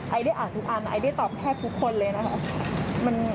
ไอเดียอ่านทุกอันไอเดียตอบแค่ทุกคนเลยนะคะ